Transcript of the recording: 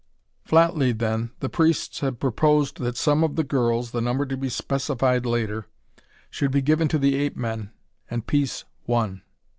Flatly then, the priests had proposed that some of the girls, the number to be specified later, should be given to the ape men, and peace won.